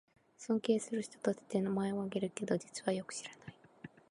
尊敬する人として名前をあげるけど、実はよく知らない